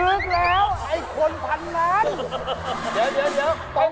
ลึกแล้วไอ้คนผันงาน